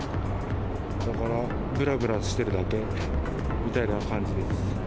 だから、ぶらぶらしてるだけみたいな感じです。